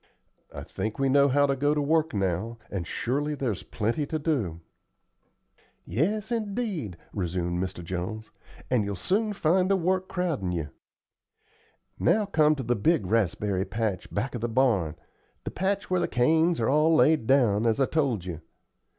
I think we know how to go to work now, and surely there's plenty to do." "Yes, indeed," resumed Mr. Jones; "and you'll soon find the work crowdin' you. Now come to the big raspberry patch back of the barn, the patch where the canes are all laid down, as I told you.